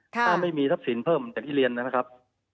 ถ้าไม่มีทรัพย์สินเพิ่มอย่างที่เรียนนะครับ